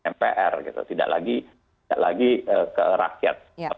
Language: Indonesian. mpr gitu tidak lagi ke rakyat